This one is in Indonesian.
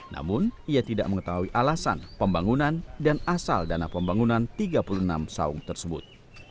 namun ia tidak mengetahui alasan pembangunan dan asal dana pembangunan tiga puluh enam saung tersebut